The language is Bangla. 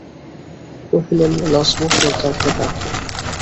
কহিলেন, লছমন সর্দারকে ডাকো।